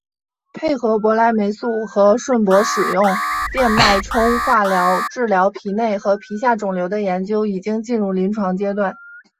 配合博莱霉素和顺铂使用电脉冲化疗治疗皮内和皮下肿瘤的研究已经进入临床阶段。